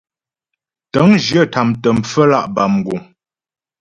Tə̂ŋjyə tâmtə pfəmlǎ' bâ mguŋ.